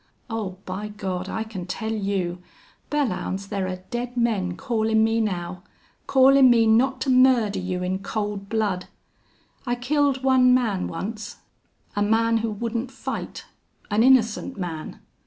Oh, by God! I can tell you!... Belllounds, there're dead men callin' me now. Callin' me not to murder you in cold blood! I killed one man once a man who wouldn't fight an innocent man!